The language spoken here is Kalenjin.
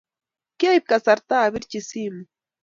kiaib kasarta apirchi simu.